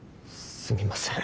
すみません。